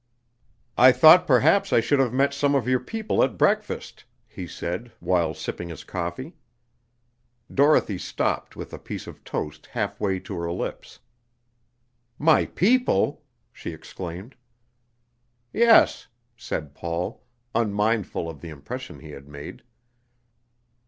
"I thought perhaps I should have met some of your people at breakfast," he said, while sipping his coffee. Dorothy stopped with a piece of toast half way to her lips. "My people!" she exclaimed. "Yes," said Paul, unmindful of the impression he had made.